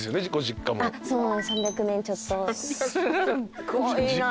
実家３００年ちょっと。